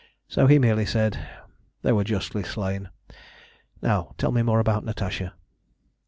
So he merely said "They were justly slain. Now tell me more about Natasha."